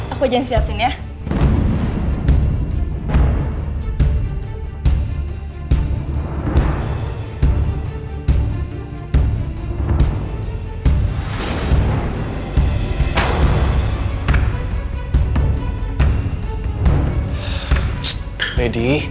aku aja yang siapin ya